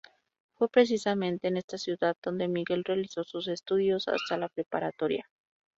Fue precisamente en esta ciudad donde Miguel realizó sus estudios hasta la preparatoria.